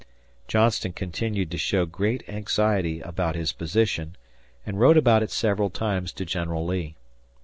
Johnston continued to show great anxiety about his position and wrote about it several times to General Lee.